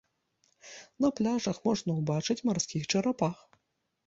На пляжах можна ўбачыць марскіх чарапах.